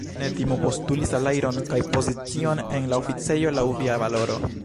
Ne timu postuli salajron kaj pozicion en la oficejo laŭ via valoro.